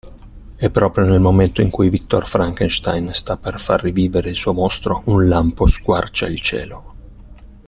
E proprio nel momento in cui Viktor Frankenstein sta per far rivivere il suo mostro un lampo squarcia il cielo.